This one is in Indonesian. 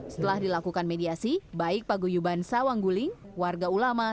setelah dilakukan mediasi baik paguyuban sawang guling warga ulama